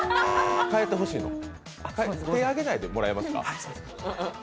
変えてほしいの、手挙げないでもらえますか。